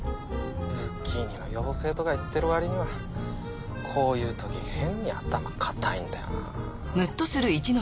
ズッキーニの妖精とか言ってるわりにはこういうとき変に頭固いんだよな。